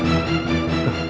kamu belum tidur mas